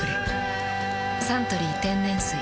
「サントリー天然水」